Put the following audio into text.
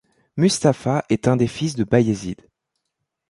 Mustafa est un des fils de Bayezid.